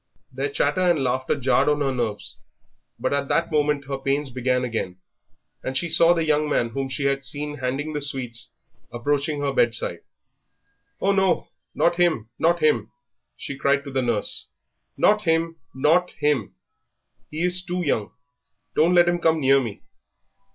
Their chatter and laughter jarred on her nerves; but at that moment her pains began again and she saw the young man whom she had seen handing the sweets approaching her bedside. "Oh, no, not him, not him!" she cried to the nurse. "Not him, not him! he is too young! Do not let him come near me!"